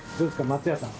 松也さん。